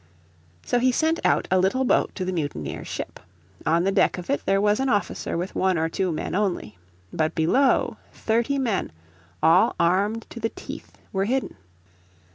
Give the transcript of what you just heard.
So he sent out a little boat to the mutineers' ship. On the deck of it there was an officer with one or two men only. But below, thirty men, all armed to the teeth, were hidden.